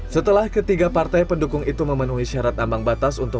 setelah ketiga partai pendukung itu memenuhi syarat ambang batas untuk